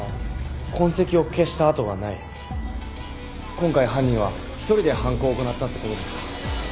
今回犯人は１人で犯行を行ったってことですか？